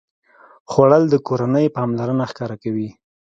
خوړل د کورنۍ پاملرنه ښکاره کوي